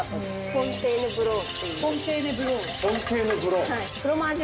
フォンテーヌブロー。